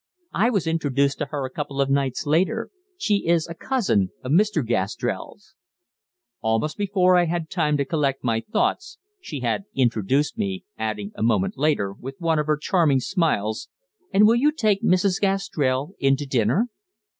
"I was introduced to her a couple of nights later. She is a cousin of Mr. Gastrell's." Almost before I had time to collect my thoughts, she had introduced me, adding, a moment later, with one of her charming smiles: "And will you take Mrs. Gastrell in to dinner?"